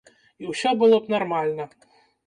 І ўсё было б нармальна.